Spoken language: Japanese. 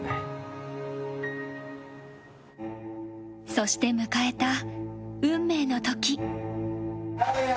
そして迎えた運命の時。